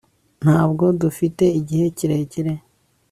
ntabwo dufite igihe kirekire